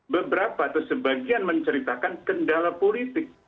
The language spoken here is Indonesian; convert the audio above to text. beberapa atau sebagian menceritakan kendala politik